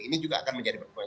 ini juga akan menjadi persoalan